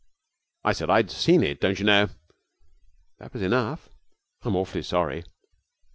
'I said I had seen it, don't you know.' 'That was enough.' 'I'm awfully sorry.'